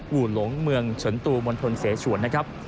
หูลงเมืองเฉินตูมรพลเศชวน